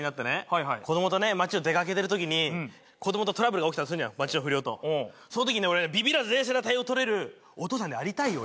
はいはい子供とね街を出かけてるときに子供とトラブルが起きたとするじゃん街の不良とそのときに俺ビビらず冷静な対応を取れるお父さんでありたいよ